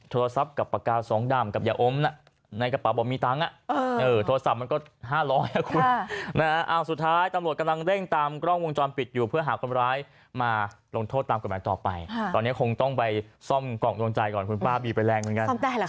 โทรทับปอกกาสองดำยอมเนี่ยตอนแรกมันจะเอาตัง